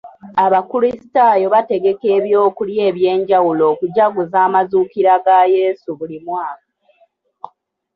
Abakrisitaayo bategeka eby'okulya eby'enjawulo okujaguza amazuukira ga Yesu buli mwaka.